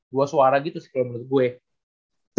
dua suara gitu sih kalau menurut gue